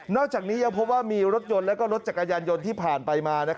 จากนี้ยังพบว่ามีรถยนต์และรถจักรยานยนต์ที่ผ่านไปมา